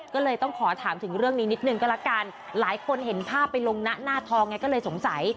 ก็เลยต้องขอถามถึงเรื่องนี้นิดนึงก็ละกันหลายคนเห็นภาพไปลงนะหน้าทองไงก็เลยสงสัย